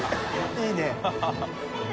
いいね。